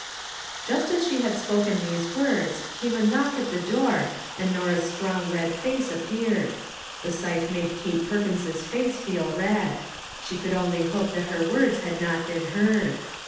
Just as she had spoken those words came a knock at the door and Norah's strong red face appeared. The sight made Kate Perkins's face feel red. She could only hope that her words had not been heard.